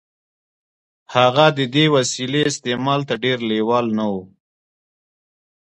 هغه د دې وسیلې استعمال ته ډېر لېوال نه و